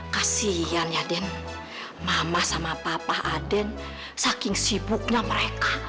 kasian ya den mama sama papa aden saking sibuknya mereka